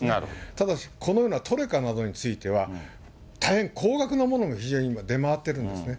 ただし、このようなトレカなどについては、大変高額なものも非常に今、出回ってるんですね。